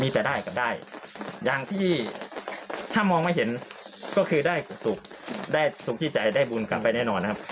ท่านมาใครมาถวายน้ำปลาถวายสิ่งของต่างนะครับ